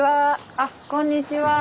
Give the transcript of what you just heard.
あっこんにちは。